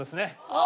ああ。